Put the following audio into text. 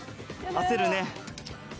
焦るね。